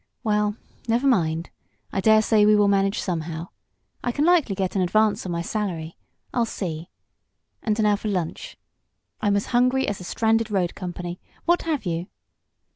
Well, never mind. I dare say we will manage somehow. I can likely get an advance on my salary. I'll see. And now for lunch. I'm as hungry as a stranded road company. What have you?"